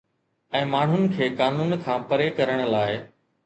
۽ ماڻهن کي قانون کان پري ڪرڻ لاء